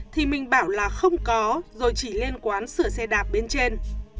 thì mình bảo là không có rồi chỉ lên quán sửa xe đạp bên trên